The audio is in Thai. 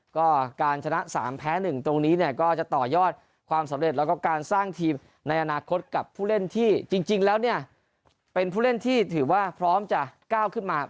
ก็การชนะ๓แพ้๑ตรงนี้เนี่ยก็จะต่อยอดความสำเร็จแล้วก็การสร้างทีมในอนาคตกับผู้เล่นที่จริงแล้วเนี่ยเป็นผู้เล่นที่ถือว่าพร้อมจะก้าวขึ้นมา